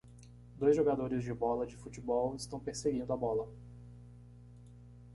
Dois jogadores de bola de futebol estão perseguindo a bola.